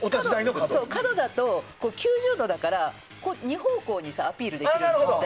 角だと９０度だから２方向にアピールできる。